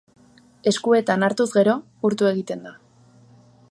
Eskuetan hartuz gero, urtu egiten da.